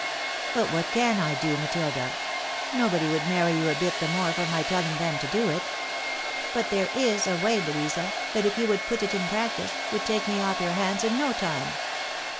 " But what can I do, Matilda? Nobody would marry you a bit the more for my telling them to do it." " But there is a way, Louisa, that if you would put it in practice, would take me off your hands in no time."